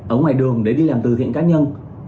ở ngoài đường để đi làm từ thiện cá nhân